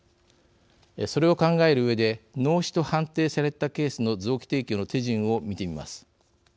それを考えるうえで脳死と判定されたケースの臓器提供の手順を見てみます。